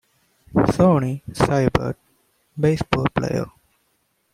Sonny Siebert, baseball player.